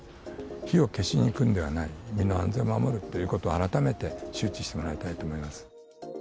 火を消しに行くんではない、身の安全を守るということを改めて周知してもらいたいと思います。